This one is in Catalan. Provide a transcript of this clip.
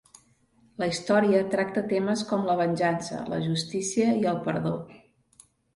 La història tracta temes com la venjança, la justícia i el perdó.